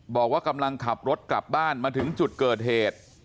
บอกว่ากำลังขับรถกลับบ้านมาถึงจุดเกิดเหตุ